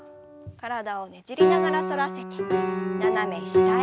体をねじりながら反らせて斜め下へ。